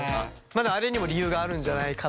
あれにも理由があるんじゃないかと。